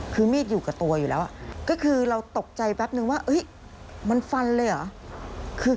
คือมีดอยู่กับตัวอยู่แล้วก็คือเราตกใจแป๊บนึงว่ามันฟันเลยเหรอ